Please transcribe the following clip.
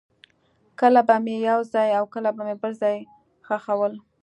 کله به مې یو ځای او کله بل ځای کې خښول.